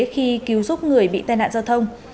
khi cứu giúp người bị tai nạn giao thông